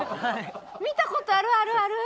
見た事あるあるある！